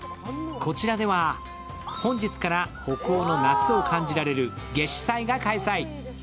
こちらでは本日から北欧の夏を感じられる夏至祭が開催。